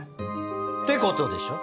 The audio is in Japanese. てことでしょ？